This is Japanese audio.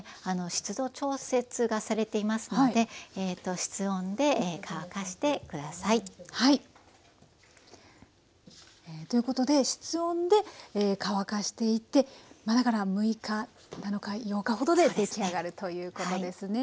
湿度調節がされていますので室温で乾かして下さい。ということで室温で乾かしていってまあだから６日７日８日ほどで出来上がるということですね。